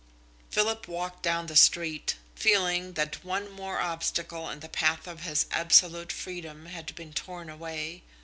Philip walked down the street, feeling that one more obstacle in the path of his absolute freedom had been torn away.